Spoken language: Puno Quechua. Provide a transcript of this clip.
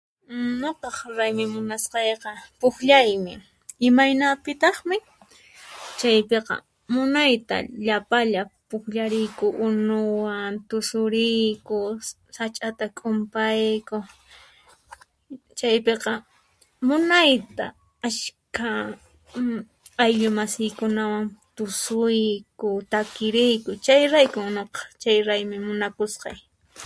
Nuqaq raymi munasqayqa puqllaymi. Imaynapitaqmi, chaypiqa munayta llapalla puqllariyku, unuwan, tusuriyku, sach'ata q'umpayku, chaypiqa munayta achkha ayllu masiykunawan tusuyku takiriyku. Chayraykun nuqaq chay raymi munakusqay.